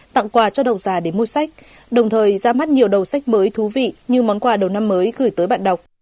tặng quà cho đọc giả để mua sách đồng thời ra mắt nhiều đầu sách mới thú vị như món quà đầu năm mới gửi tới bạn đọc